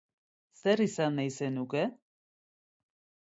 Zer izan nahi zenuke?